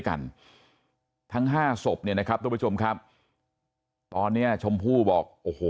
กันทั้ง๕ศพเนี่ยนะครับตัวประชมครับตอนนี้ชมพู่บอกโอ้โห